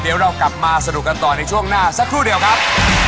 เดี๋ยวเรากลับมาสนุกกันต่อในช่วงหน้าสักครู่เดียวครับ